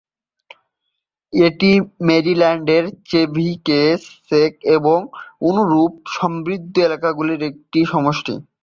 এটি মেরিল্যান্ডের Chevy Chase এবং অনুরূপ সমৃদ্ধ এলাকাগুলির একটি সমষ্টি।